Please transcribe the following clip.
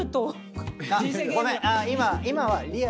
ごめん。